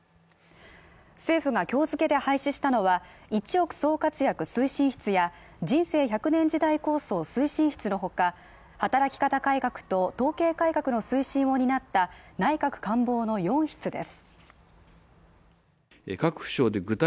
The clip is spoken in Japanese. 政府が今日付で廃止したのは１億総活躍推進室や人生１００年時代構想推進室のほか、働き方改革と統計改革の推進を担った内閣官房の４室です。